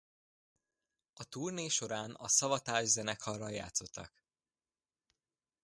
A turné során a Savatage zenekarral játszottak.